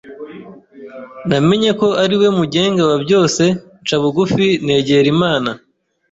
Namenyeko ari we mugenga wa byose, nca bugufi, negera Imana.